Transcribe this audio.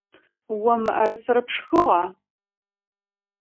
О мыӏэрысэр пшхыгъа?